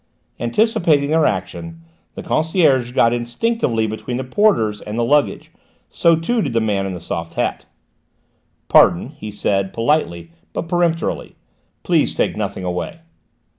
Anticipating their action, the concierge got instinctively between the porters and the luggage: so too did the man in the soft hat. "Pardon," said he politely but peremptorily. "Please take nothing away."